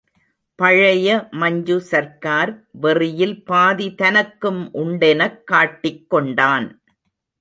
பழைய மஞ்சு சர்க்கார் வெறியில் பாதி தனக்கும் உண்டெனக் காட்டிக்கொண்டான்.